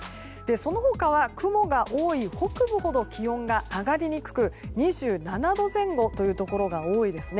その他は雲が多い北部ほど気温が上がりにくく２７度前後というところが多いですね。